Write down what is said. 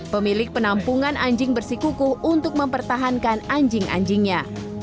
pemilik penampungan anjing bersikuku untuk mempertahankan anjing anjingnya